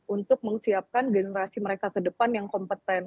untuk menyiapkan generasi mereka ke depan yang kompeten